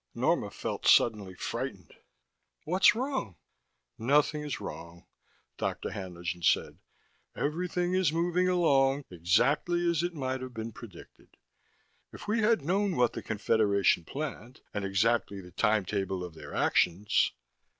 Norma felt suddenly frightened. "What's wrong?" "Nothing is wrong," Dr. Haenlingen said. "Everything is moving along exactly as might have been predicted. If we had known what the Confederation planned, and exactly the timetable of their actions